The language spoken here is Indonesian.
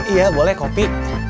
iya boleh kopi